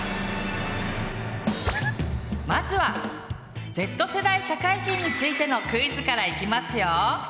まずはＺ世代社会人についてのクイズからいきますよ！